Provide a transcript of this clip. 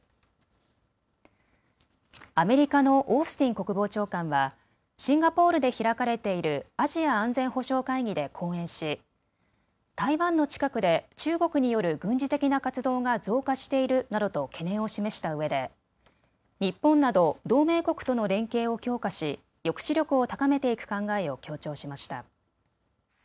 アメリカのオースティン国防長官はシンガポールで開かれているアジア安全保障会議で講演し台湾の近くで中国による軍事的な活動が増加しているなどと懸念を示したうえで日本など同盟国との連携を強化し抑止力を高めていく考えを強調しました。